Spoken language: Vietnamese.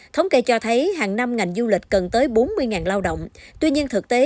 thống kê cho thấy hàng năm ngành du lịch cần tới bốn mươi lao động tuy nhiên thực tế